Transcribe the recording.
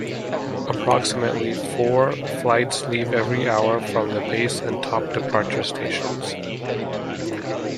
Approximately four "flights" leave every hour from the base and top departure stations.